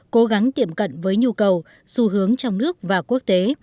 cố gắng tiệm cận với nhu cầu xu hướng trong nước và quốc tế